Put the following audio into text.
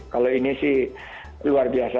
kalau ini sih luar biasa